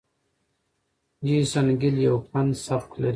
جیسن ګیل یو فن سبک لري.